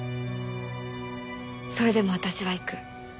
それでも私は行く。